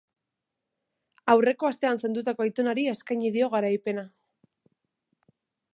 Aurreko astean zendutako aitonari eskaini dio garaipena.